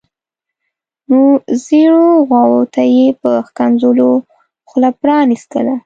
نو زیړو غواوو ته یې په ښکنځلو خوله پرانیستله.